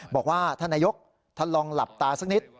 บอกว่าท่านนายกท่านลองหลับตาสักนิด